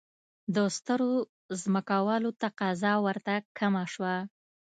د سترو ځمکوالو تقاضا ورته کمه شوه.